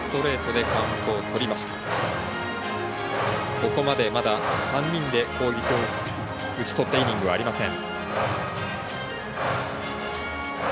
ここまでまだ３人で攻撃を打ち取ったイニングはありません。